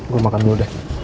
gue makan dulu deh